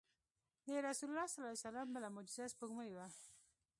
د رسول الله صلی الله علیه وسلم بله معجزه سپوږمۍ وه.